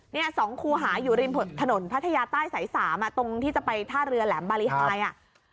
เนี่ย๒คูหาอยู่ริมถนนพัทยาใต้สายสามอ่ะตรงที่จะไปท่าเรือแหลมบารีไฮอ่ะ